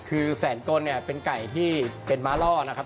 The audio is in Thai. คือแสนโก้นเป็นไก่ที่เป็นมะล่อนะครับ